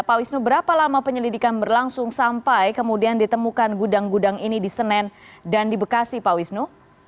pak wisnu berapa lama penyelidikan berlangsung sampai kemudian ditemukan gudang gudang ini di senen dan di bekasi pak wisnu